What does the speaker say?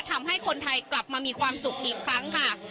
ทำให้คนไทยกลับมามีความสุขอีกครั้งค่ะ